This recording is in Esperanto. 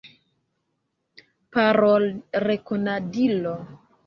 Parolrekonadilo.